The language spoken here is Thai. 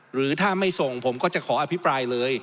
หรือถ้าไม่ส่งผมก็จะขออภิปรายเลย